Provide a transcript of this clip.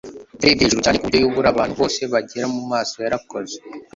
yarebye hejuru cyane kuburyo yabura abantu bose begera mumaso, yarakoze